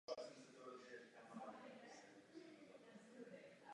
Nebudeme, protože se skutečně domnívám, že to není nutné.